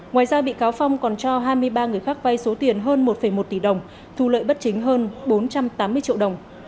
ngoài ra bị cáo phong còn cho hai mươi ba người khác vai số tiền hơn một một tỷ đồng thu lợi bất chính hơn bốn trăm tám mươi triệu đồng